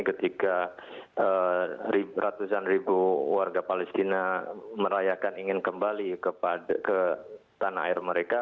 ketika ratusan ribu warga palestina merayakan ingin kembali ke tanah air mereka